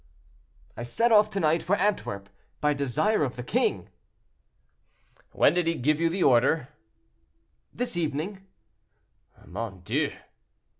"I set off to night for Antwerp, by desire of the king." "When did he give you the order?" "This evening." "Mon Dieu!"